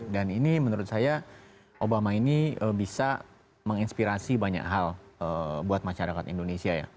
ini menurut saya obama ini bisa menginspirasi banyak hal buat masyarakat indonesia ya